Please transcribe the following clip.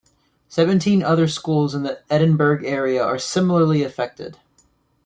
Seventeen other schools in the Edinburgh area are similarly affected.